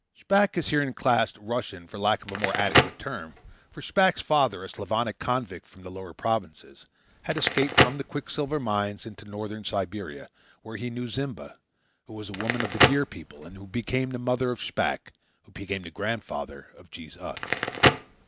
Shpack is herein classed Russian for lack of a more adequate term; for Shpack's father, a Slavonic convict from the Lower Provinces, had escaped from the quicksilver mines into Northern Siberia, where he knew Zimba, who was a woman of the Deer People and who became the mother of Shpack, who became the grandfather of Jees Uck.